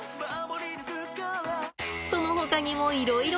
そのほかにもいろいろ。